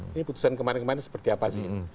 ini putusan kemarin kemarin seperti apa sih